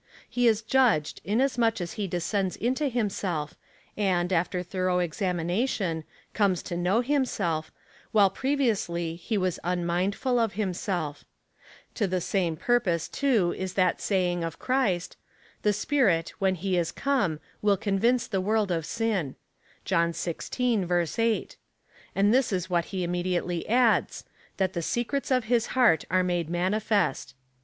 He is judged, inasmuch as he descends into himself, and, after thorough examination, comes to know himself, while previously he was unmindful of himself To the same pur pose, too, is that saying of Christ : The Spirit, when he is come, will convince the world of sin, (John xvi. 8 ;) and this is what he immediately adds — that the secrets of his heart are made m,anifest.